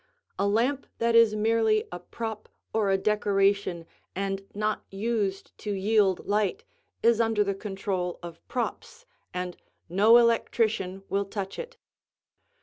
A lamp that is merely a prop or a decoration and not used to yield light is under the control of props and no electrician will touch it.